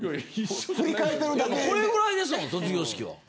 これぐらいですよ、卒業式は。